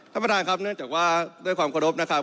ท่านประธานครับเนื่องจากว่าด้วยความเคารพนะครับ